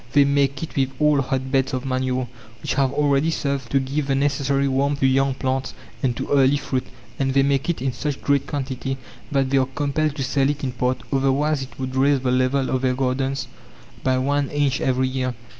They make it with old hot beds of manure, which have already served to give the necessary warmth to young plants and to early fruit; and they make it in such great quantity that they are compelled to sell it in part, otherwise it would raise the level of their gardens by one inch every year.